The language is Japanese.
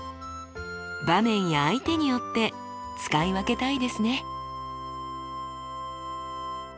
場面や相手によって使い分けたいですね。